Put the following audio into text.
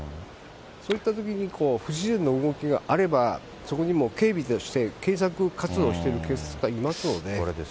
そういったときに、不自然な動きがあれば、そこにもう、警備として検索活動している警察官いますので。